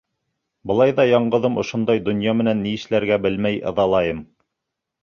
Былай ҙа яңғыҙым ошондай донъя менән ни эшләргә белмәй ыҙалайым.